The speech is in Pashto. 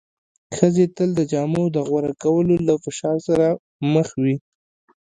ښځې تل د جامو د غوره کولو له فشار سره مخ وې.